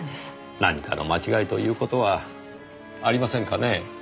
何かの間違いという事はありませんかねぇ。